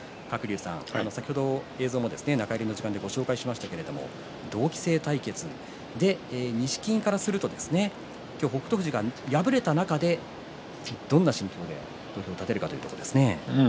鶴竜さん、先ほど映像も中入りの時間で紹介しましたが同期生対決で錦木からすると今日、北勝富士が敗れた中でどんな心境で向かうかというところですね。